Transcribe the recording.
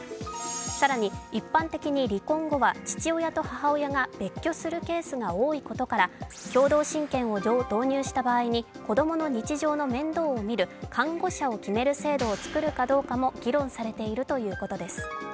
更に一般的に離婚後は父親と母親が別居するケースが多いことから共同親権を導入した場合に子供の日常の面倒を見る監護者を決める制度を作るかどうかも議論されているということです。